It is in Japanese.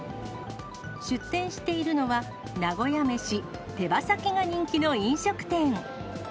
出店しているのは、名古屋メシ、手羽先が人気の飲食店。